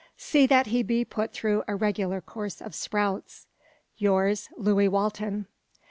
See that he be put through a `regular course of sprouts.' "Yours, "Luis Walton.